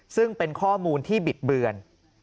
ซึ่งเป็นข้อมูลที่บิดเบือน